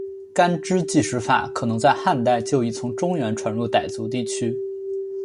干支纪时法可能在汉代就已从中原传入傣族地区。